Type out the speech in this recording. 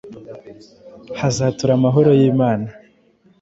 hazatura amahoro y’Imana.